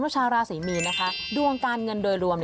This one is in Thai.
ชาวราศรีมีนนะคะดวงการเงินโดยรวม